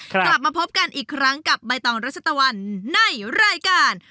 กลับมาพบกันอีกครั้งกับใบตองรัชตะวันในรายการ